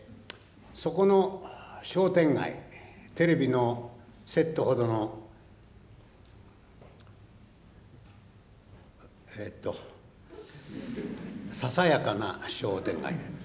そこの商店街テレビのセットほどのええとささやかな商店街で。